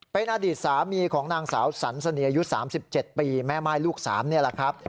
เป็นอดีตสามีของนางสาวสันเสนียอายุ๓๗ปีแม่ม่ายลูก๓นี่แหละครับ